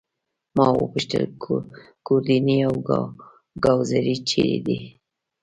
ما وپوښتل: ګوردیني او ګاووزي چيري دي؟